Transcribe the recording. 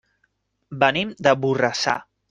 Venim de Borrassà.